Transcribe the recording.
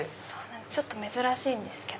ちょっと珍しいんですけど。